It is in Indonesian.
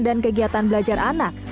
dan kegiatan belajar anak